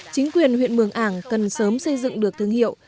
chính quyền huyện mường ảng cần sớm xây dựng được thương hiệu